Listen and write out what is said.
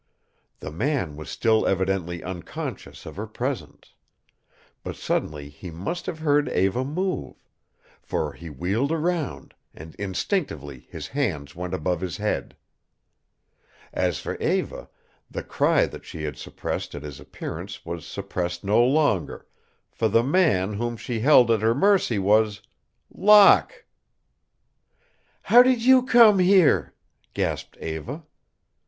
The man was still evidently unconscious of her presence. But suddenly he must have heard Eva move. For he wheeled around, and instinctively his hands went above his head. As for Eva, the cry that she had suppressed at his appearance was suppressed no longer, for the man whom she held at her mercy was Locke! "How did you come here?" gasped Eva.